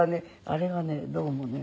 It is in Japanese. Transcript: あれがねどうもね